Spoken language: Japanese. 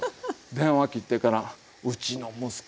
電話切ってからうちの息子